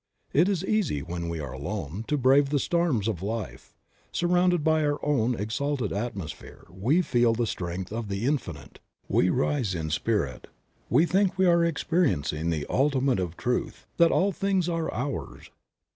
It is easy when we are alone to brave the storms of life ; surrounded by our own exalted atmosphere we feel the strength of the Infinite ; we rise in Spirit, we think we are experiencing the ultimate of truth, that all things are ours.